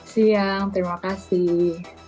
siang terima kasih